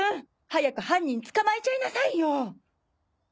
早く犯人捕まえちゃいなさいよ！